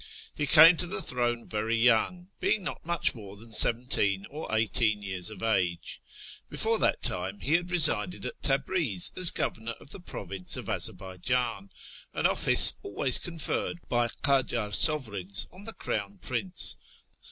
He came to the throne very young, being not much more than seventeen or eighteen years of age. Before that time he had resided at Tabriz as governor of the province of Azarbaijan, an office always conferred by Kajar sovereigns on the Crown Prince.